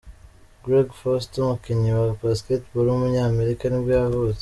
Greg Foster, umukinnyi wa basketball w’umunyamerika nibwo yavutse.